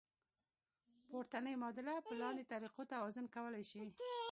پورتنۍ معادله په لاندې طریقو توازن کولی شئ.